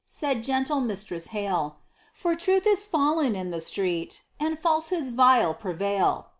said gentle Mistress Hale, "For truth is fallen in the street, and falsehoods vile prevail.